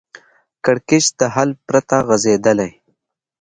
کړکېچ د حل پرته غځېدلی